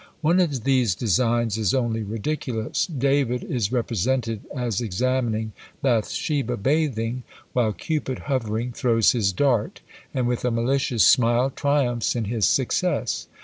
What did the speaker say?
One of these designs is only ridiculous: David is represented as examining Bathsheba bathing, while Cupid hovering throws his dart, and with a malicious smile triumphs in his success.